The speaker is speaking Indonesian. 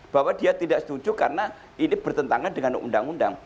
bahwa dia tidak setuju karena ini bertentangan dengan undang undang